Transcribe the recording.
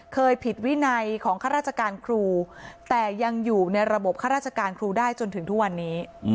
ผิดวินัยของข้าราชการครูแต่ยังอยู่ในระบบข้าราชการครูได้จนถึงทุกวันนี้